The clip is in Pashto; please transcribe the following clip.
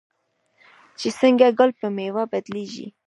چې څنګه ګل په میوه بدلیږي.